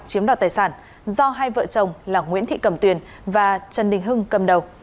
chiếm đoạt tài sản do hai vợ chồng là nguyễn thị cẩm tuyền và trần đình hưng cầm đầu